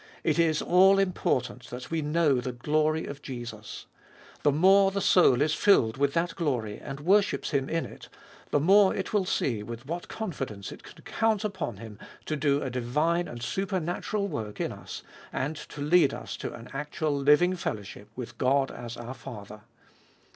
It is all important that we know the glory of Jesus. The more the soul is filled with that glory, and worships Him in it, the more it will see with what confidence it can count upon Him to do a divine and supernatural work in us, and to lead us to an actual living fellowship with God as our Father.